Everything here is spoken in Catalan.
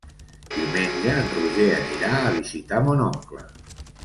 Diumenge en Roger anirà a visitar mon oncle.